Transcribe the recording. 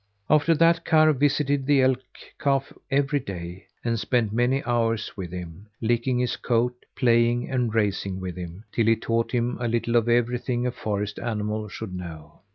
After that Karr visited the elk calf every day, and spent many hours with him, licking his coat, playing and racing with him, till he taught him a little of everything a forest animal should know.